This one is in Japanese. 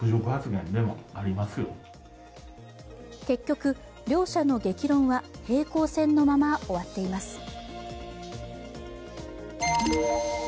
結局、両者の激論は平行線のまま終わっています。